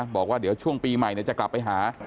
บอกว่าเดี๋ยวช่วงปีใหม่จะกลับไปหา